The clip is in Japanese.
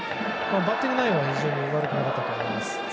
バッティング内容は非常に悪くなかったと思います。